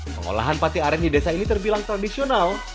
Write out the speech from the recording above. pengolahan pate aren di desa ini terbilang tradisional